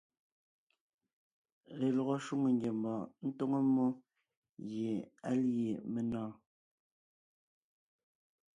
Lelɔgɔ shwòŋo ngiembɔɔn tóŋo mmó gie á lîe menɔ̀ɔn.